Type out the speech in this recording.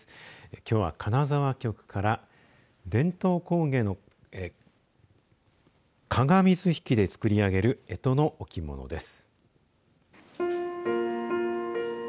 きょうは金沢局から伝統工芸の加賀水引で作り上げるえとの置物です。